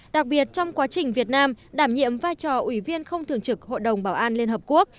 đặc biệt trong quá trình việt nam đảm nhiệm vai trò ủy viên không thường trực hội đồng bảo an liên hợp quốc